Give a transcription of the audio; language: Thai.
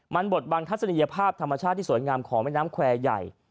มันบดบังทัศนียภาพธรรมชาติที่สวยงามของแม่น้ำแควร์ใหญ่